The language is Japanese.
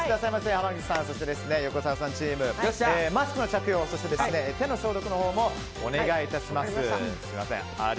濱口さん、そして横澤さんチームマスクの着用、手の消毒のほうもお願いいたします。